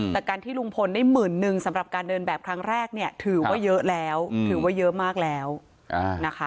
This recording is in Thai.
แต่การที่ลุงพลได้หมื่นนึงสำหรับการเดินแบบครั้งแรกเนี่ยถือว่าเยอะแล้วถือว่าเยอะมากแล้วนะคะ